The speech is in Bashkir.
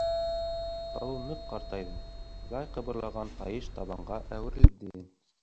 Балу ныҡ ҡартайҙы, яй ҡыбырлаған тайыш табанға әүерелде.